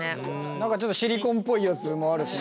何かちょっとシリコンっぽいやつもあるしね。